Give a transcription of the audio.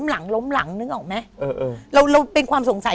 ผู้หญิงท้องด้วยเกาะใครเกาะพ่อเบื่อน